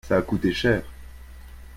ça a coûté cher.